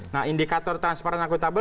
nah indikator transparan akutabel